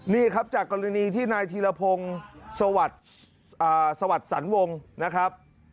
นี่ครับจากกรณีที่นายธีรพงศ์สวัสดิ์สันวงนะครับ